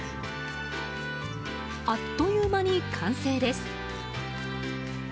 あっという間に完成です。